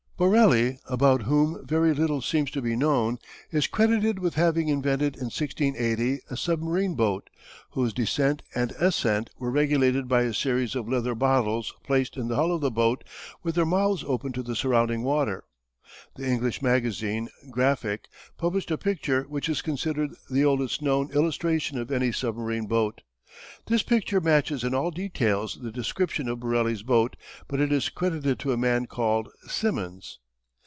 Borelli, about whom very little seems to be known, is credited with having invented in 1680 a submarine boat, whose descent and ascent were regulated by a series of leather bottles placed in the hull of the boat with their mouths open to the surrounding water. The English magazine, Graphic, published a picture which is considered the oldest known illustration of any submarine boat. This picture matches in all details the description of Borelli's boat, but it is credited to a man called Symons.